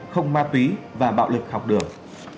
không ma túy và bạo lực học đường